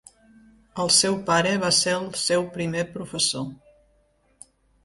El seu pare va ser el seu primer professor.